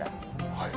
はい。